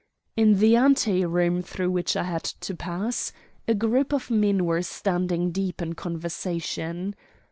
In the ante room through which I had to pass a group of men were standing deep in conversation.